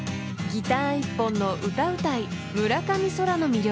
［ギター一本の歌うたい村上想楽の魅力］